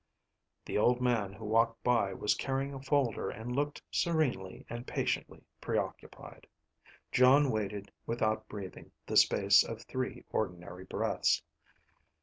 The old man who walked by was carrying a folder and looked serenely and patiently preoccupied. Jon waited without breathing the space of three ordinary breaths.